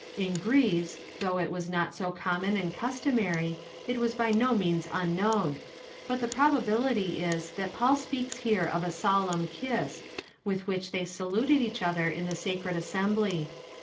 In Greece, though it was not so com mon and customary, it was by no means unknown ; but the probability is, that Paul speaks here of a solemn kiss, with which they saluted each other in the sacred assembly.